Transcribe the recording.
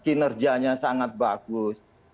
kinerjanya sangat bagus